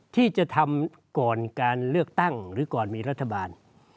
ที่จะทำก่อนการเลือกตั้งหรือก่อนมีรัฐบาล